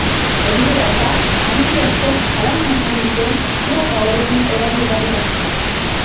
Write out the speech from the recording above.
Hori dela eta, aditu askok zalantzan jarri dute froga horren erabilgarritasuna.